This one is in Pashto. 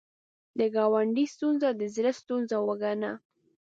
د ګاونډي ستونزه د زړه ستونزه وګڼه